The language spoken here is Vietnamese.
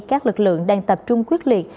các lực lượng đang tập trung quyết liệt